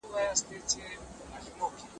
له ماشوم سره لوبې وکړئ.